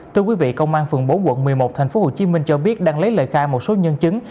từ quý vị công an phường bốn quận một mươi một thành phố hồ chí minh cho biết đang lấy lời khai một số nhân chứng